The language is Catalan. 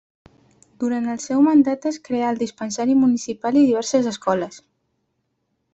Durant el seu mandat es creà el Dispensari Municipal i diverses escoles.